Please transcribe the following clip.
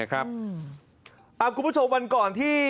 คุณผู้ชมวันก่อนที่